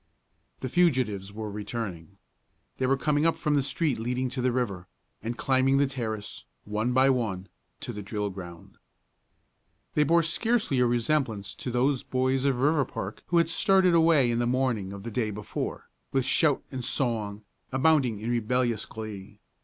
The fugitives were returning. They were coming up from the street leading to the river, and climbing the terrace, one by one, to the drill ground. They bore scarcely a resemblance to those boys of Riverpark who had started away in the morning of the day before, with shout and song, abounding in rebellious glee.